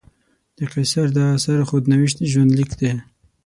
د قیصر دا اثر خود نوشت ژوندلیک دی.